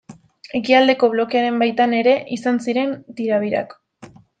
Ekialdeko Blokearen baitan ere izan ziren tirabirak.